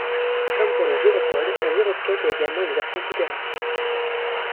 Comme pour les gyropodes, un gyroskate a également une version tout terrain.